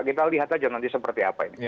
kita lihat aja nanti seperti apa ini